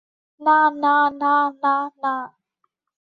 না, না, না, না, না।